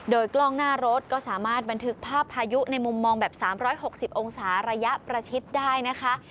โดยกล้องหน้ารถก็สามารถบันทึกภาพพายุในมุมมองแบบ๓๖๐องศาระยะประชิดได้นะคะ